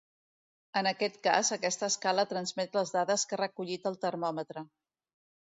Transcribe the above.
En aquest cas, aquesta escala transmet les dades que ha recollit el termòmetre.